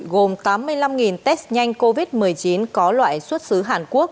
gồm tám mươi năm test nhanh covid một mươi chín có loại xuất xứ hàn quốc